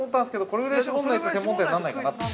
これぐらい絞らないと専門店になんないかな？